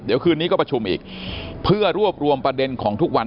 เดี๋ยวคืนนี้ก็ประชุมอีกเพื่อรวบรวมประเด็นของทุกวัน